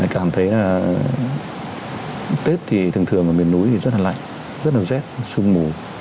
cảm thấy là tết thì thường thường ở miền núi thì rất là lạnh rất là rét sương mù